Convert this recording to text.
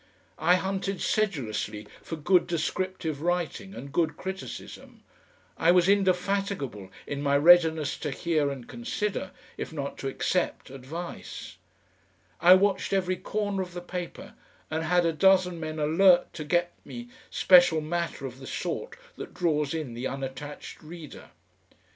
I hunted sedulously for good descriptive writing and good criticism; I was indefatigable in my readiness to hear and consider, if not to accept advice; I watched every corner of the paper, and had a dozen men alert to get me special matter of the sort that draws in the unattached reader.